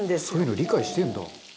「そういうの理解してるんだ」